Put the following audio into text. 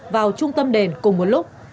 vào trung tâm đền cùng một lúc